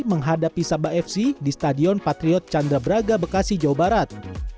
menghadapi sabah fc di stadion patriot candrabraga bekasi jawa barat